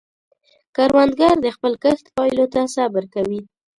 کروندګر د خپل کښت پایلو ته صبر کوي